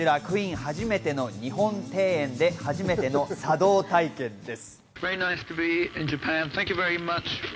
初めての日本庭園で初めての茶道体験です。